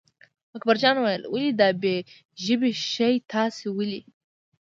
اکبرجان وویل ولې دا بې ژبې شی تاسې ولئ.